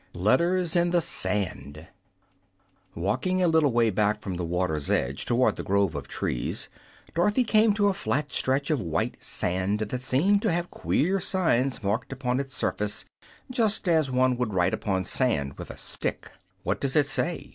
3. Letters in the Sand Walking a little way back from the water's edge, toward the grove of trees, Dorothy came to a flat stretch of white sand that seemed to have queer signs marked upon its surface, just as one would write upon sand with a stick. "What does it say?"